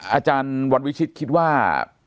อาจารย์วันวิชิตคิดว่า